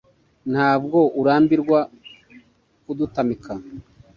ntabwo urambirwa kudutamika